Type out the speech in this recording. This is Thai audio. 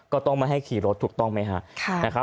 ก็ต้องมาให้ขี่รถถูกต้องไหมฮะ